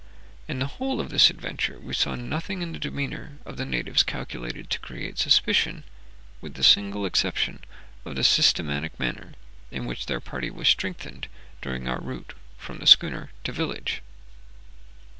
In the whole of this adventure we saw nothing in the demeanour of the natives calculated to create suspicion, with the single exception of the systematic manner in which their party was strengthened during our route from the schooner to the village.